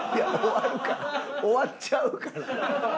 終わっちゃうから。